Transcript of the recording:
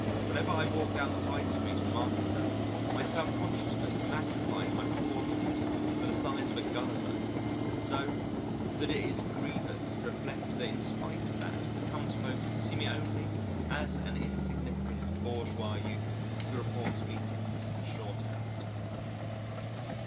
Whenever I walk down the High Street on a market day, my self consciousness magnifies my proportions to the size of a Gulliver so that it is grievous to reflect that in spite of that the townsfolk see me only as an insignificant bourgeois youth who reports meetings in shorthand.